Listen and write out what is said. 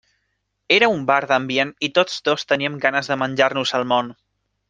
Era un bar d'ambient i tots dos teníem ganes de menjar-nos el món.